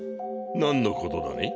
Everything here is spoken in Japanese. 何のことだね？